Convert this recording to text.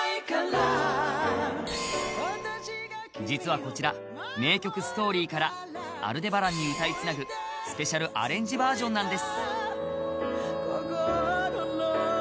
実はこちら名曲「Ｓｔｏｒｙ」から「アルデバラン」に歌いつなぐ、スペシャルアレンジバージョンなんです。